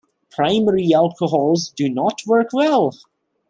Primary alcohols do not work well.